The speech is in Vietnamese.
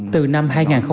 từ năm hai nghìn hai mươi ba